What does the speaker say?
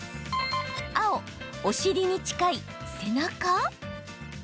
青・お尻に近い背中？